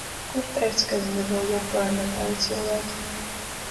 Kur teikts, ka viņi vēl joprojām ir tavi cilvēki?